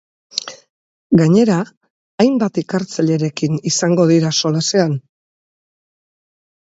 Gainera, hainbat ikertzailerekin izango dira solasean.